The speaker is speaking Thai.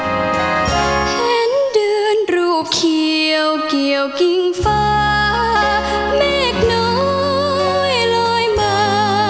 เห็นเดือนรูปเขียวเกี่ยวกิ้งฟ้าเมฆน้อยลอยมา